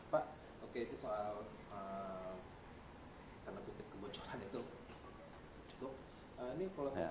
pak oke itu soal tanda putih kebocoran itu